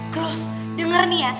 klos denger nih ya